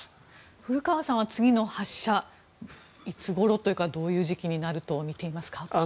古川さんは次の発射はどういう時期になるとみていますか？